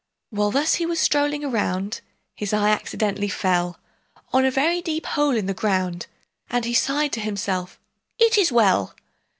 While thus he was strolling around, His eye accidentally fell On a very deep hole in the ground, And he sighed to himself, "It is well!"